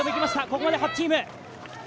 ここまで８チーム。